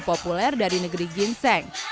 populer dari negeri ginseng